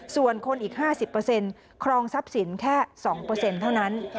ส่วนคนอีก๕๐ครองทรัพย์สินแค่๒เท่านั้น